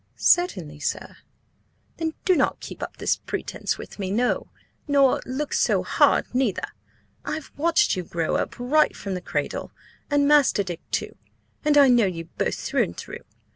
"Certainly, sir." "Then do not keep up this pretence with me; no, nor look so hard neither! I've watched you grow up right from the cradle, and Master Dick too, and I know you both through and through.